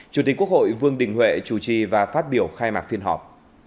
chủ tịch quốc hội vương đình huệ chủ trì và phát biểu khai mạc phiên họp